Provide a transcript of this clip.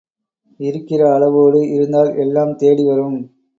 இருக்கிற அளவோடு இருந்தால் எல்லாம் தேடி வரும்.